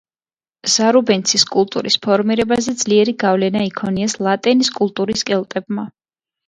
ზარუბინეცის კულტურის ფორმირებაზე ძლიერი გავლენა იქონიეს ლატენის კულტურის კელტებმა.